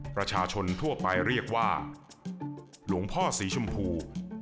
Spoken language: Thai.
ประชาชนทั่วไปเรียกว่าหลวงพ่อสีชมพู